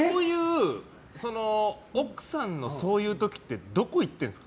奥さんのそういう時ってどこ行ってるんですか？